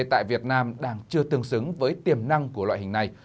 tại việt nam đang chưa tương xứng với tiềm năng của loại hình này